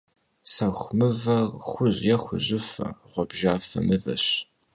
Sexu mıver xuj yê xujıfe - ğuabjjafe mıveş.